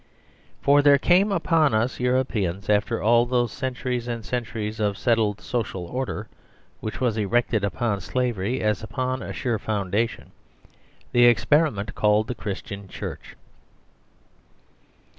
For there came upon us Europeans after all those centuries, and centuriesof a settled social order which was erected upon Slavery as upon a sure foundation, the experiment called the Christian Church.